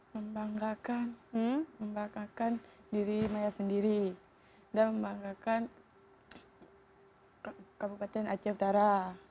membanggakan membanggakan diri maya sendiri dan membanggakan kabupaten aceh utara